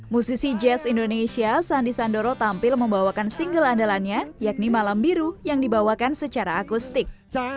musisi jazz indonesia sandi sandoro tampil membawakan single andalannya yakni malam biru yang dibawakan secara akustik